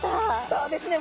そうですね